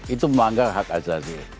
itu melanggar hak asasi